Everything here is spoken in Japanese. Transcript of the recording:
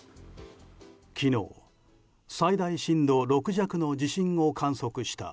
昨日最大震度６弱の地震を観測した